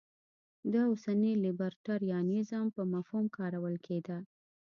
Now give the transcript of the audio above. دا اوسني لیبرټریانیزم په مفهوم کارول کېده.